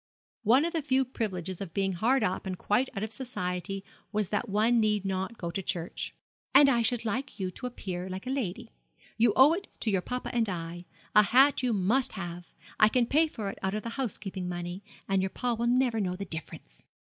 One of the few privileges of being hard up and quite out of society was that one need not go to church 'and I should like you to appear like a lady. You owe it to your pa and I. A hat you must 'ave. I can pay for it out of the housekeeping money, and your pa will never know the difference.'